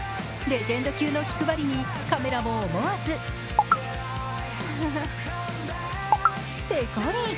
レジェンド級の気配りに、カメラも思わずペコリ。